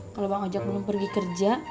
kalo bang ojak belum pergi kerja